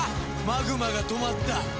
マグマが止まった。